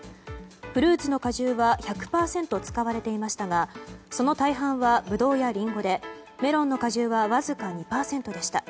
フルーツの果汁は１００％使われていましたがその大半はブドウやリンゴでメロンの果汁はわずか２％でした。